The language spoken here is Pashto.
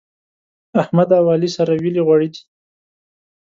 احمد او علي سره ويلي غوړي دي.